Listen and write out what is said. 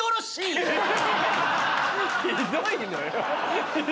ひどいのよ。